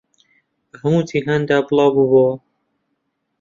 بە هەموو جیهاندا بڵاو بووبووەوە